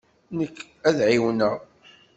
Nekk ad ɛiwneɣ.